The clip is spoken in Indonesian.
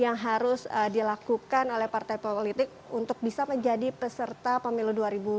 yang harus dilakukan oleh partai politik untuk bisa menjadi peserta pemilu dua ribu dua puluh